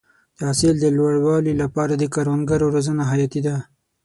د حاصل د لوړوالي لپاره د کروندګرو روزنه حیاتي ده.